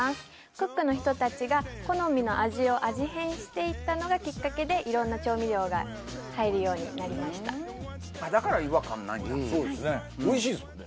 クックの人達が好みの味を味変していったのがきっかけで色んな調味料が入るようになりましただから違和感ないんだそうですね